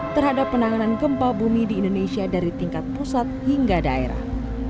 terhadap penanganan gempa bumi di indonesia dari tingkat pusat hingga daerah